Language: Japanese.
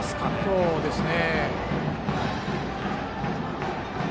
そうですね。